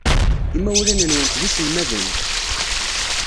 Imawlan-nwent d iselmaden?